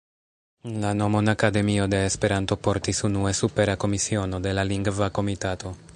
La nomon "Akademio de Esperanto" portis unue supera komisiono de la Lingva Komitato.